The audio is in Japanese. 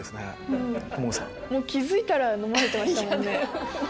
気付いたら飲まれてましたもんね。